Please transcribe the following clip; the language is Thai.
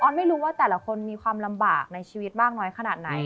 ไม่รู้ว่าแต่ละคนมีความลำบากในชีวิตมากน้อยขนาดไหน